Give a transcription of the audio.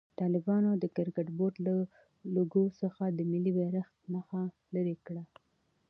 طالبانو د کرکټ بورډ له لوګو څخه د ملي بيرغ نخښه لېري کړه.